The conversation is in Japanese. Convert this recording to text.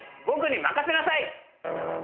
僕に任せなさい！